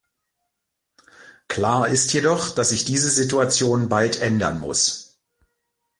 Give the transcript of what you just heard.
Klar ist jedoch, dass sich diese Situation bald ändern muss.